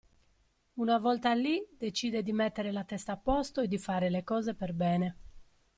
Una volta lì decide di mettere la testa a posto e di fare le cose per bene.